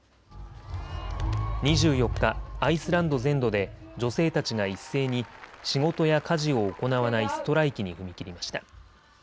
２４日、アイスランド全土で女性たちが一斉に仕事や家事を行わないストライキに踏み切りました。